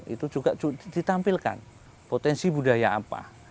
itu juga ditampilkan potensi budaya apa